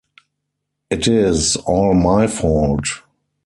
It is all my fault.